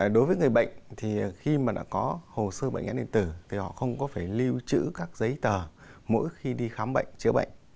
đối với người bệnh thì khi mà đã có hồ sơ bệnh án điện tử thì họ không có phải lưu trữ các giấy tờ mỗi khi đi khám bệnh chữa bệnh